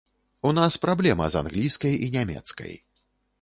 У нас праблема з англійскай і нямецкай.